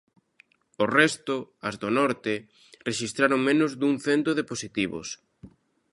O resto, as do norte, rexistraron menos dun cento de positivos.